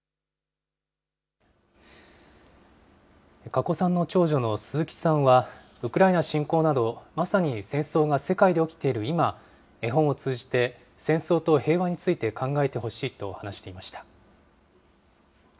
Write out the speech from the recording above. かこさんの長女の鈴木さんは、ウクライナ侵攻など、まさに戦争が世界で起きている今、絵本を通じて、戦争と平和について考えてほしいと話していました。